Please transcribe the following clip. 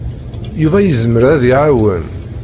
Yuba yezmer ad iɛawen.